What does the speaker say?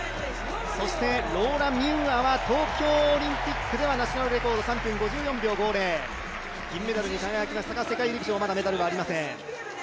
ローラ・ミューアは東京オリンピックではナショナルレコード、銀メダルに輝きましたが世界陸上まだメダルはありません。